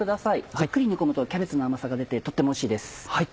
じっくり煮込むとキャベツの甘さが出てとってもおいしいです。